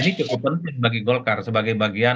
ini cukup penting bagi golkar sebagai bagian